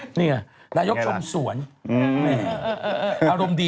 จากธนาคารกรุงเทพฯ